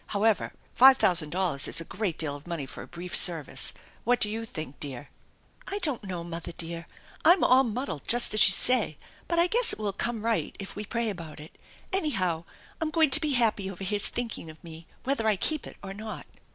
However, five thousand dollars is a great deal of money for a brief service. What do you think, dear?" " I don't know, mother dear. I'm all muddled just as you say, but I guess it will come right if we pray about it. Anyhow, I'm going to be happy over his thinking of me, whether I keep it or not."